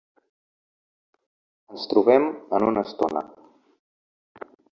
Ens trobem en una estona.